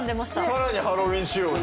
さらにハロウィーン仕様に。